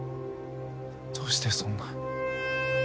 どうしてそんな。